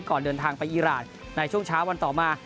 เดินทางไปอีรานในช่วงเช้าวันต่อมา